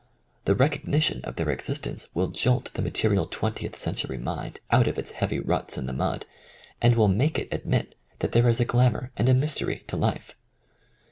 The recognition of their existence will jolt the material twen tieth century mind out of its heavy ruts in the mud, and will make it admit that there is a glamour and a mystery to life.